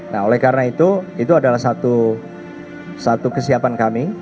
nah oleh karena itu itu adalah satu kesiapan kami